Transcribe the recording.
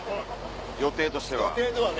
予定としては。